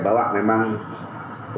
untuk apabila menemukan masa tandingan